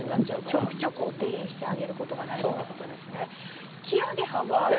ちょくちょくお手入れしてあげることが大事ってことですね。